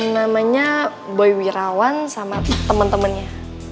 namanya boy wirawan sama temen temennya